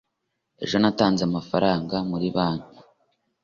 Ejo natanze amafaranga muri banki.